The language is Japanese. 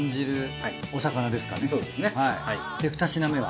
はいで２品目は？